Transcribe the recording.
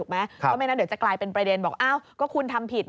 เพราะไม่งั้นเดี๋ยวจะกลายเป็นประเด็นบอกอ้าวก็คุณทำผิด